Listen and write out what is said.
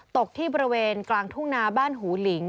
ตกที่บริเวณกลางทุ่งนาบ้านหูหลิง